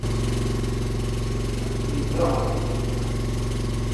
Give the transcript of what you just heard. Ndda.